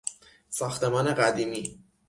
ساختمان قدیمی